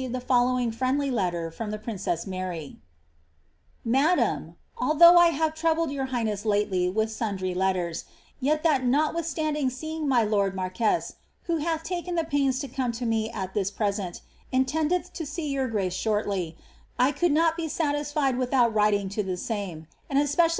A few days before her confinement, Katharine received the following friendly letter from the princess Mary :—^Madarae, "Although I hav6 troubled your highness lately with sundry letters, yet that nocwithstauding seeing my lord marquess who hath taken the pains to come to me at this present intendeth to see your grace shortly, I could not be satisfied without writing to the same, and especially be